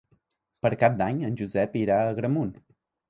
Per Cap d'Any en Josep irà a Agramunt.